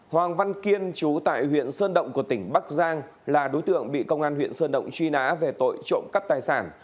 hoàng văn kiên chú tại huyện sơn động của tỉnh bắc giang là đối tượng bị công an huyện sơn động truy nã về tội trộm cắp tài sản